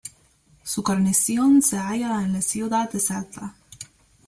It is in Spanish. Su guarnición se halla en la ciudad de Salta.